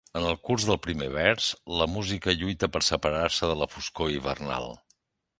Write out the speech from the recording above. En el curs del primer vers, la música lluita per separar-se de la foscor hivernal.